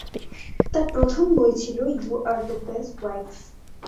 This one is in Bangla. তার প্রথম বই ছিল "you are the best wife".